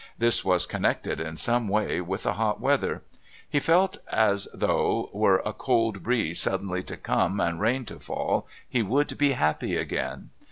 This was connected in some way with the hot weather; he felt as though, were a cold breeze suddenly to come, and rain to fall, he would be happy again.